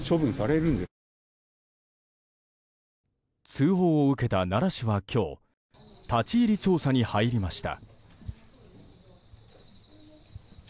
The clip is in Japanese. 通報を受けた奈良市は今日立ち入り調査に入りました。